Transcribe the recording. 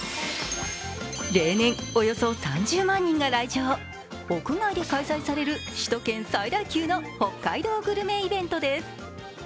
例年およそ３０万人が来場、屋外で開催される首都圏最大級の北海道グルメイベントです。